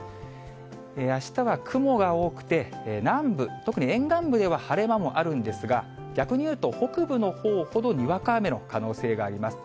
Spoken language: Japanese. あしたは雲が多くて、南部、特に沿岸部では晴れ間もあるんですが、逆に言うと、北部のほうほどにわか雨の可能性があります。